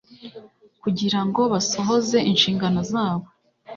kugirango basohoze inshingano zabo.